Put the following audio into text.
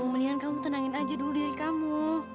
kemudian kamu tenangin aja dulu diri kamu